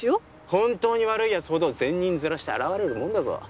本当に悪い奴ほど善人面して現れるもんだぞ。